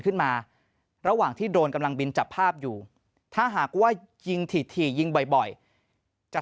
ขึ้นมาระหว่างที่โดนกำลังบินจับภาพอยู่ถ้าหากว่ายิงถี่ยิงบ่อยจะ